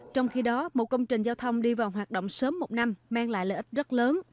trong khi đó một công trình giao thông đi vào hoạt động sớm một năm mang lại lợi ích rất lớn